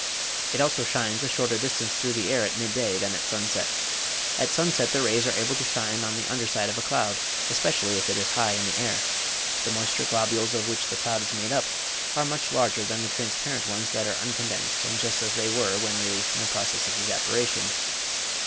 It also shines a shorter distance through the air at midday than at sunset. At sunset the rays are able to shine on the under side of a cloud, especially if it is high in the air. The moisture globules of which the cloud is made up are much larger than the transparent ones that are uncondensed and just as they were when released in the process of evaporation.